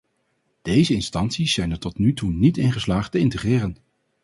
Deze instanties zijn er tot nu toe niet in geslaagd te integreren.